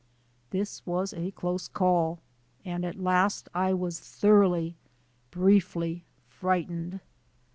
This was a close call and at last 1 was thoroughly, briefly, frightened.